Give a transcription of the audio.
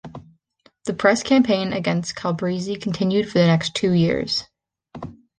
The press campaign against Calabresi continued for the next two years.